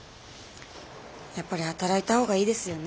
やっぱり働いた方がいいですよね。